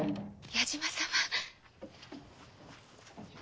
矢島様！